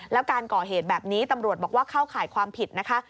แล้วการก่อเหตุแบบนี้ตำรวจบอกว่าเข้าข่ายความผิดนะคะ